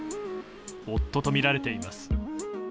夫とみられています。